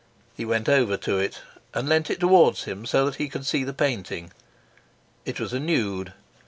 He went over to it and leaned it towards him so that he could see the painting. It was a nude.